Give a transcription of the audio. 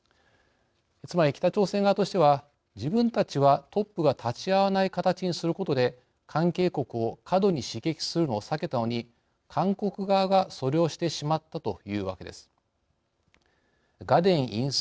つまり北朝鮮側としては自分たちはトップが立ち会わない形にすることで関係国を過度に刺激するのを避けたのに韓国側がそれをしてしまったというわけです。